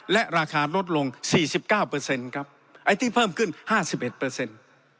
และราคาลดลงสี่สิบเก้าเปอร์เซ็นต์ครับไอ้ที่เพิ่มขึ้นห้าสิบเอ็ดเปอร์เซ็นต์